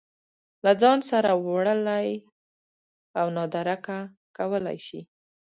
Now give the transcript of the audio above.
له ځان سره وړلی او نادرکه کولی شي